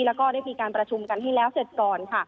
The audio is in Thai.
แล้วก็ได้มีการประชุมกันให้แล้วเสร็จก่อนค่ะ